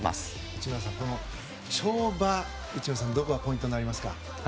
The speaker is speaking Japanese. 内村さん、跳馬はどこがポイントになりますか？